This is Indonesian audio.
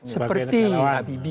seperti nabi bin nabi bin